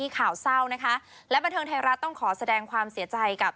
ข่าวเศร้านะคะและบันเทิงไทยรัฐต้องขอแสดงความเสียใจกับ